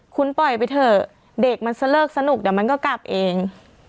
คุณปล่อยไปเถอะเด็กมันสเลิกสนุกเดี๋ยวมันก็กลับเอง